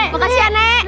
makasih ya nek